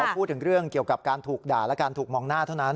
พูดถึงเรื่องเกี่ยวกับการถูกด่าและการถูกมองหน้าเท่านั้น